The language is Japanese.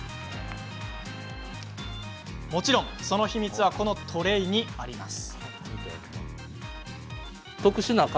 もちろん、その秘密はこのトレーにあります。